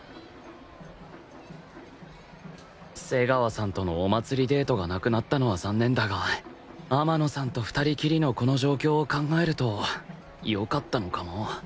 瀬川さんとのお祭りデートがなくなったのは残念だが天野さんと２人きりのこの状況を考えるとよかったのかも